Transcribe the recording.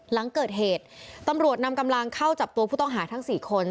หลังเกิดเหตุตำรวจนำกำลังเข้าจับตัวผู้ต้องหาทั้ง๔คน